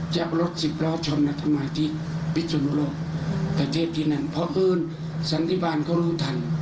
จะรถสิบล้อชมนัธมาที่พิสุนโลกแต่เทพที่นั่นเพราะพื้นสันติบาลก็รู้ทัน